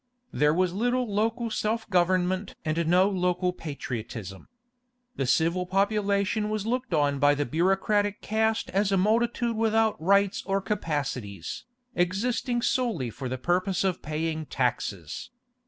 There was little local self government and no local patriotism. The civil population was looked on by the bureaucratic caste as a multitude without rights or capacities, existing solely for the purpose of paying taxes.